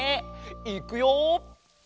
いくよ。